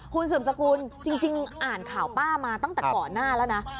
คุณสืบสกุลจริงอ่านข่าวป้ามาตั้งแต่ก่อนหน้าแล้วนะ